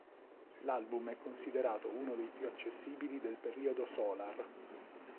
L'album è considerato uno dei più accessibili del periodo "Solar".